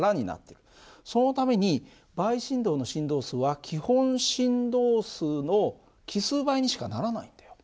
そのために倍振動の振動数は基本振動数の奇数倍にしかならないんだよ。